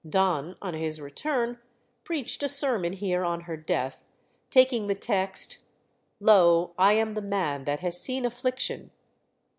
Donne, on his return, preached a sermon here on her death, taking the text "Lo! I am the man that has seen affliction."